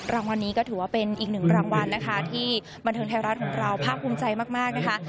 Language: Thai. รางวัลนี้ก็ถือว่าเป็นอีกหนึ่งรางวัลนะคะที่บันเทิงไทยรัฐของเราภาคภูมิใจมากนะคะ